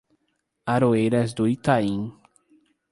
Aroeiras do Itaim